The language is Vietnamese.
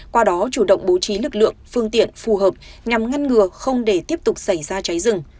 qua đó chủ động bố trí lực lượng phương tiện phù hợp nhằm ngăn ngừa không để tiếp tục xảy ra cháy rừng